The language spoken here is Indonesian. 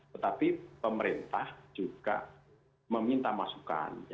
tetapi pemerintah juga meminta masukan